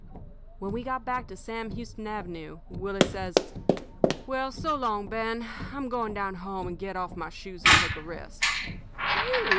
"When we got back to Sam Houston Avenue, Willie says: "'Well, so long, Ben. I'm going down home and get off my shoes and take a rest.' "'You?'